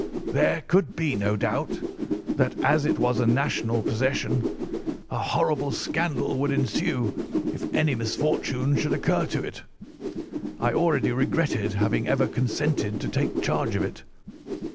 There could be no doubt that, as it was a national possession, a horrible scandal would ensue if any misfortune should occur to it. I already regretted having ever consented to take charge of it.